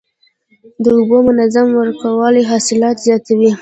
د اوبو منظم ورکول حاصلات زیاتوي.